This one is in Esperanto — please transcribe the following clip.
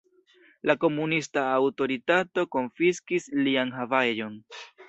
La komunista aŭtoritato konfiskis lian havaĵon.